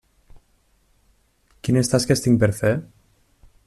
Quines tasques tinc per fer?